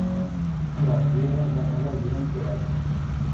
Las biegas d'a sala yeran queradas.